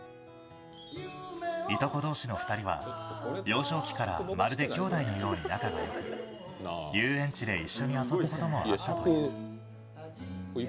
いとこ同士の２人は幼少期からまるで兄弟のように仲が良く遊園地で一緒に遊ぶこともあったという。